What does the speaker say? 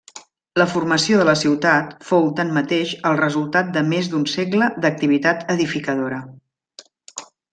La formació de la ciutat fou tanmateix el resultat de més d'un segle d'activitat edificadora.